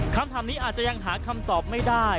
คำถามนี้อาจจะยังหาคำตอบไม่ได้